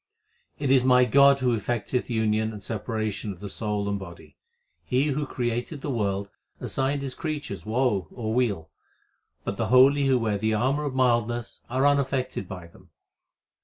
It is my God who effecteth union and separation of the soul and body. He who created the world assigned His creatures woe or weal ; But the holy who wear the armour of mildness are un affected by them.